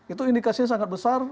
itu indikasinya sangat besar